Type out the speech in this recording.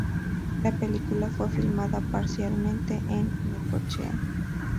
La película fue filmada parcialmente en Necochea.